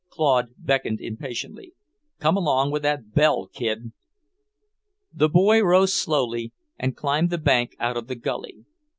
Claude beckoned impatiently. "Come along with that bell, kid." The boy rose slowly and climbed the bank out of the gully.